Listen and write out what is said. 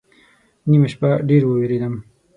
نیمه شپه ډېر ووېرېدم